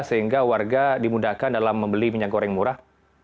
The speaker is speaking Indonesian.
sehingga warga dimudahkan dalam membeli minyak goreng murah